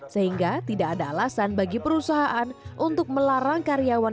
sehingga tidak ada alasan bagi perusahaan untuk melarang karyawan